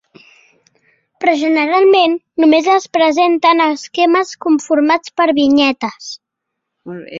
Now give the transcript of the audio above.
Però, generalment, només es presenten esquemes conformats per vinyetes.